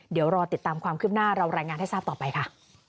เดี๋ยวรอติดตามความคืบหน้าเรารายงานให้ทราบต่อไปค่ะ